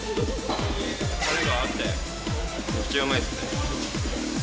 タレが合ってめっちゃうまいですね。